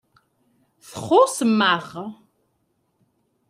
Txuṣṣem-aɣ.